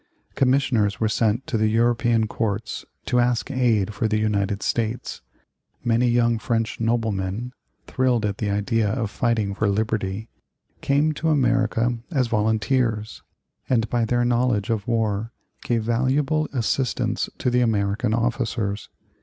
Commissioners were sent to the European courts to ask aid for the United States. Many young French noblemen, thrilled at the idea of fighting for liberty, came to America as volunteers, and by their knowledge of war gave valuable assistance to the American officers.